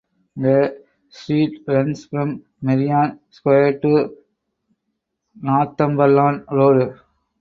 The street runs from Merrion Square to Northumberland Road.